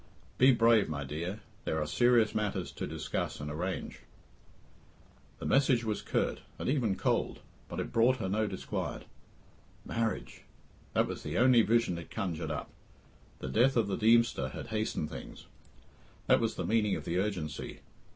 Be brave, my dear. There are serious matters to discuss and arrange." The message was curt, and even cold, but it brought her no disquiet. Marriage! That was the only vision it conjured up. The death of the Deemster had hastened things that was the meaning of the urgency.